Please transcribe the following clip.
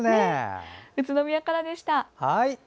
宇都宮からでした。